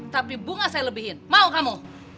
tapi bunga saya lebihin mau kamu